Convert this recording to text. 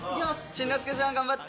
真之介さん頑張って。